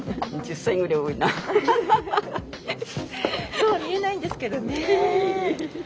そうは見えないんですけどね。